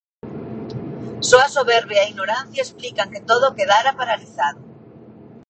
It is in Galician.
Só a soberbia e a ignorancia explican que todo quedara paralizado.